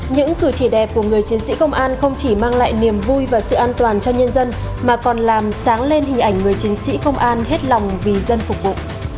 những cử chỉ đẹp của người chiến sĩ công an không chỉ mang lại niềm vui và sự an toàn cho nhân dân mà còn làm sáng lên hình ảnh người chiến sĩ công an hết lòng vì dân phục vụ